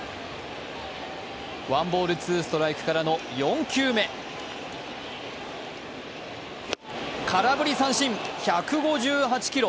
ワンボール、ツーストライクからの４球目、空振り三振、１５８キロ。